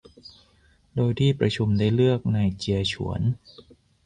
โดยที่ประชุมได้เลือกนายเจียฉวน